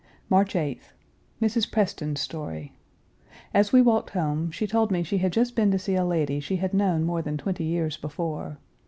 March 8th. Mrs. Preston's story. As we walked home, she told me she had just been to see a lady she had known more than twenty years before.